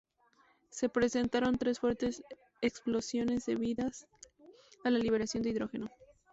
Se presentaron tres fuertes explosiones debidas a la liberación de hidrógeno.